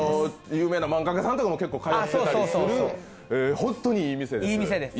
有名な漫画家さんとかも通ったりしている本当にいい店です。